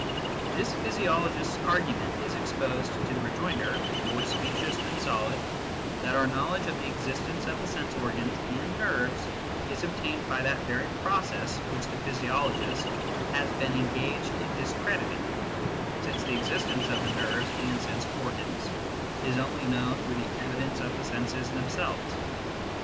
This physiologist s argument is exposed to the rejoinder, more specious than solid, that our know ledge of the existence of the sense organs and nerves is obtained by that very process which the physiologist has been engaged in discrediting, since the existence of the nerves and sense organs is only known through the evidence of the senses themselves.